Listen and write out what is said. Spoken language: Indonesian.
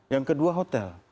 yang kedua hotel